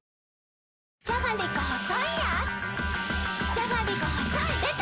じゃがりこ細いでた‼